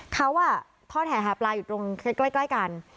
เขาทอดแห่หาปลาอยู่ตรงใกล้กัน